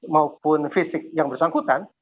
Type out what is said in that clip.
maupun fisik yang bersangkutan